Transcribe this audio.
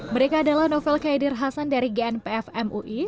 mereka adalah novel kaidir hasan dari gnpf mui